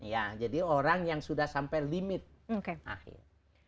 ya jadi orang yang sudah sampai limit akhir